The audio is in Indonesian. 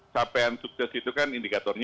capaian sukses itu kan indikatornya